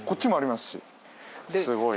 すごいな。